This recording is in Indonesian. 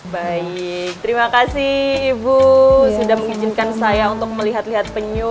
baik terima kasih ibu sudah mengizinkan saya untuk melihat lihat penyu